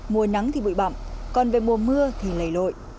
mùa nắng thì bụi bậm còn về mùa mưa thì lầy lội